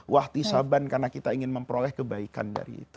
wahtisaban karena kita ingin memperoleh kebaikan dari itu